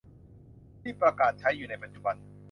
ที่ประกาศใช้อยู่ในปัจจุบัน